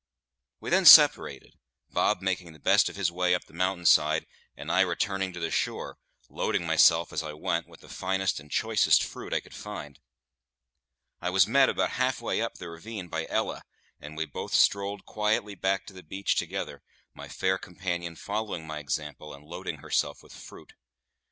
We then separated, Bob making the best of his way up the mountain side, and I returning to the shore, loading myself, as I went, with the finest and choicest fruit I could find. I was met, about half way up the ravine, by Ella, and we both strolled quietly back to the beach together, my fair companion following my example, and loading herself with fruit.